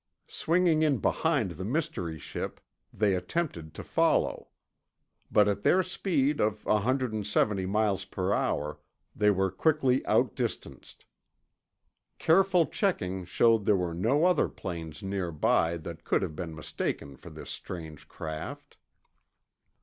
Swinging in behind the mystery ship, they attempted to follow. But at their speed of 170 m.p.h. they were quickly outdistanced. Careful checking showed there were no other planes nearby that could have been mistaken for this strange craft.